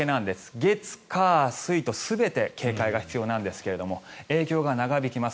月火水と全て警戒が必要なんですが影響が長引きます。